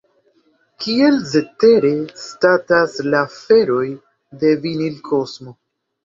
Kiel cetere statas la aferoj de Vinilkosmo?